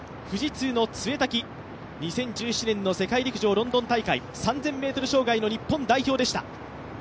富士通の潰滝、２０１７年の世界陸上ロンドン大会３０００ｍ障害の日本代表でした。